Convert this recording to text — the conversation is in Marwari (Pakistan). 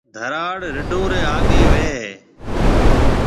ڌراڙ رڍون ري آگھيَََ وي هيَ۔